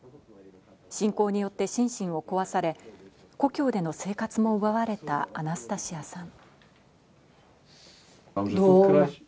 侵攻によって心身を壊され、故郷での生活も奪われたアナスタシアさん。